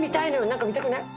なんか見たくない？